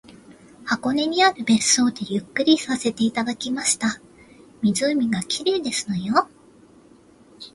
箱根にある別荘でゆっくりさせていただきました。湖が綺麗ですのよ